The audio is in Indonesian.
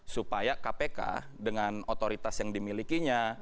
supaya kpk dengan otoritas yang dimilikinya